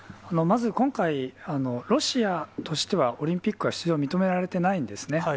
まず、今回、ロシアとしてはオリンピックは出場を認められていないんですね。